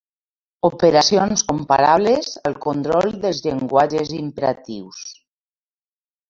Operacions comparables al control dels llenguatges imperatius.